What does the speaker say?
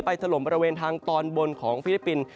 ถล่มบริเวณทางตอนบนของฟิลิปปินส์